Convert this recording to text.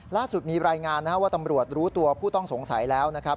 ล่าสุดมีรายงานว่าตำรวจรู้ตัวผู้ต้องสงสัยแล้ว